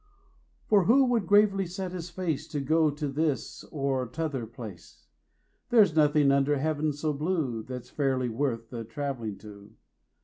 For who would gravely set his face To go to this or t'other place? There's nothing under Heav'n so blue 15 That's fairly worth the travelling to.